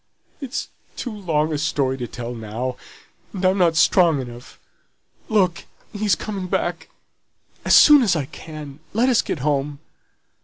"It's too long a story to tell now, and I'm not strong enough. Look! he's coming back. As soon as I can, let us get home."